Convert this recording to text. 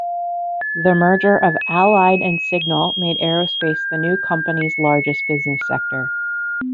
The merger of Allied and Signal made aerospace the new company's largest business sector.